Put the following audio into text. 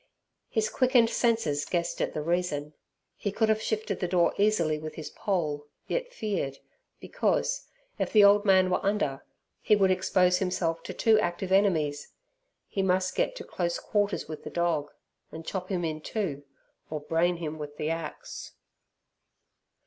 His quickened senses guessed at the reason. He could have shifted the door easily with his pole, yet feared, because, if the old man were under, he would expose himself to two active enemies. He must get to close quarters with the dog, and chop him in two, or brain him with the axe.